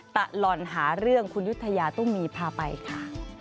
ตลอดหาเรื่องคุณยุธยาตุ้มีพาไปค่ะ